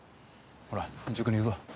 ほら塾に行くぞ。